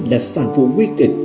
là sản phụ nguy kịch